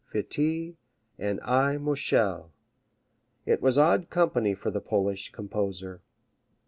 Fetis and I. Moscheles. It was odd company for the Polish composer.